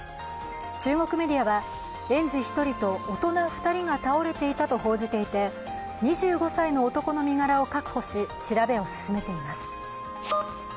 中国メディアは、園児１人と大人２人が倒れていたと報じていて２５歳の男の身柄を確保し、調べを進めています。